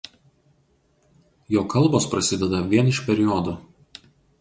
Jo kalbos prasideda vien iš periodų.